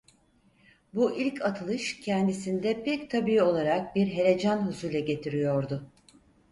Bu ilk atılış kendisinde pek tabii olarak bir helecan husule getiriyordu.